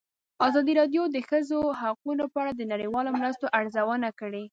ازادي راډیو د د ښځو حقونه په اړه د نړیوالو مرستو ارزونه کړې.